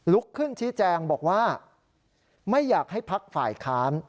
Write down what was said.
ลุกขึ้นชี้แจงบอกว่าไม่อยากให้พักฝ่ายค้าน